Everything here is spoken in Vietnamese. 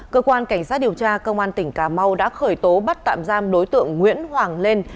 cơ quan cảnh sát điều tra công an tỉnh cà mau đã khởi tố bắt tạm giam đối tượng nguyễn hoàng lên